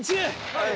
はい！